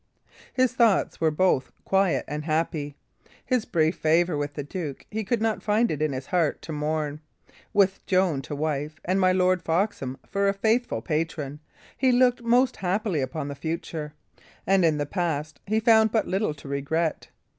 His thoughts were both quiet and happy. His brief favour with the Duke he could not find it in his heart to mourn; with Joan to wife, and my Lord Foxham for a faithful patron, he looked most happily upon the future; and in the past he found but little to regret.